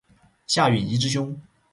夏允彝之兄。